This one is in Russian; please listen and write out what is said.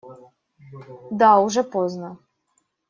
Да, уже поздно.